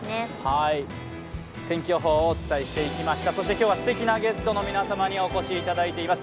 今日はすてきなゲストの皆様にお越しいただいています。